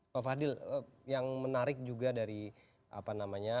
pak fadil yang menarik juga dari apa namanya